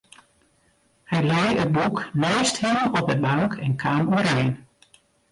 Hy lei it boek neist him op de bank en kaam oerein.